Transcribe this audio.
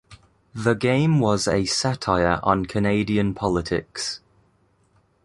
The game was a satire on Canadian politics.